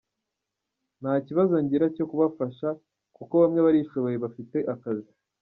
Nta kibazo ngira cyo kubafasha kuko bamwe barishoboye bafite akazi.